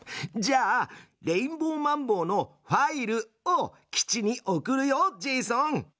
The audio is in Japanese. じゃあレインボーマンボウのファイルを基地に送るよジェイソン。